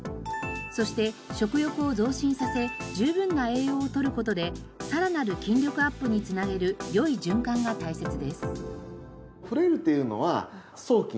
そして食欲を増進させ十分な栄養をとる事でさらなる筋力アップにつなげるよい循環が大切です。